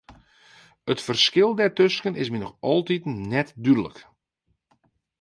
It ferskil dêrtusken is my noch altiten net dúdlik.